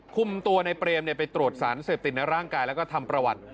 คุมตัวในเปรมไปตรวจสารเสพติดในร่างกายแล้วก็ทำประวัติ